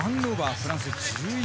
フランス１１。